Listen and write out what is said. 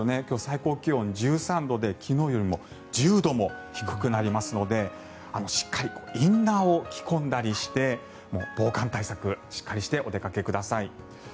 今日最高気温１３度で昨日よりも１０度も低くなりますのでしっかりインナーを着込んだりして防寒対策をしっかりしてお出かけください。